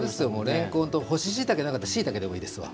れんこんと干ししいたけがなかったらしいたけでもいいですわ。